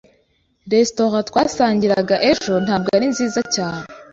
Restaurant twasangiraga ejo ntabwo ari nziza cyane.